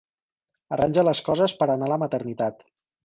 Arranja les coses per anar a la maternitat.